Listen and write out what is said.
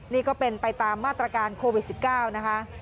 นี่ก็เป็นไปตามมาตรการโควิด๑๙นะคะ